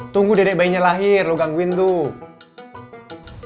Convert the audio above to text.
tunggu dedek bayinya lahir lu gangguin tuh